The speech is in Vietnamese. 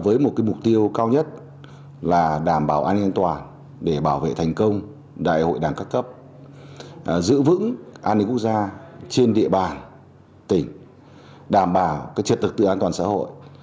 với một mục tiêu cao nhất là đảm bảo an ninh an toàn để bảo vệ thành công đại hội đảng các cấp giữ vững an ninh quốc gia trên địa bàn tỉnh đảm bảo trật tự an toàn xã hội